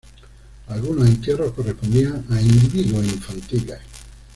Algunos entierros correspondían a individuos infantiles.